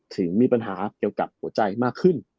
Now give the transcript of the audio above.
ถึงมีปัญหาเกี่ยวกับหัวใจมากขึ้น